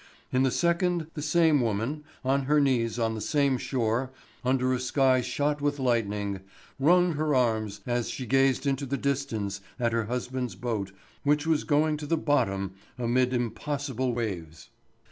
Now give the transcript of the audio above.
In the second the same woman, on her knees on the same shore, under a sky shot with lightning, wrung her arms as she gazed into the distance at her husband's boat which was going to the bottom amid impossible waves.